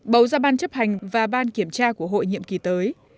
bầu ra ban chấp hành và ban kiểm tra của hội nhiệm kỳ tới